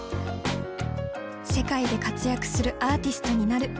世界で活躍するアーティストになる。